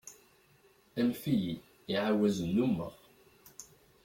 Anef-iyi, i ɛawaz nnumeɣ.